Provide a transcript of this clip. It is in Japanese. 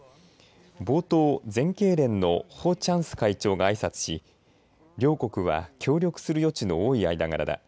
冒頭、全経連のホ・チャンス会長があいさつし両国は協力する余地の多い間柄だ。